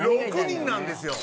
６人なんですよ。